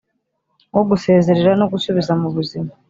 wo gusezerera no gusubiza mu buzima